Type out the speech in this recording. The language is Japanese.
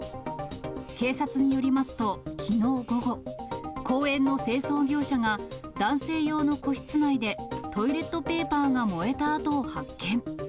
警察によりますと、きのう午後、公園の清掃業者が、男性用の個室内で、トイレットペーパーが燃えた跡を発見。